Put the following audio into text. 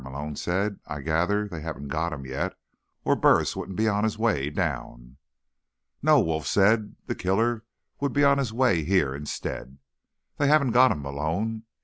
Malone said. "I gather they haven't got him yet, or Burris wouldn't be on his way down." "No," Wolf said. "The killer would be on his way here instead. They haven't got him, Malone.